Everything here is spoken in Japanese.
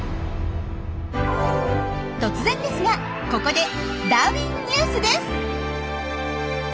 突然ですがここで「ダーウィンＮＥＷＳ」です！